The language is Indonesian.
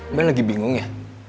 mbak lagi bingung ya